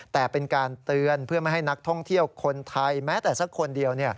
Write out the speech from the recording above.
แต่เป็นการเตือนเพื่อไม่ให้นักท่องเที่ยวคนไทยแม้แต่สักคนเดียว